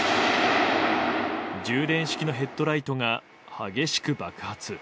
充電式のヘッドライトが激しく爆発。